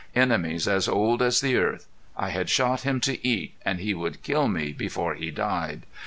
Enemies as old as the earth! I had shot him to eat, and he would kill me before he died.